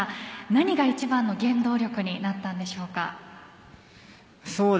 何が一番の原動力になったんでしょうか？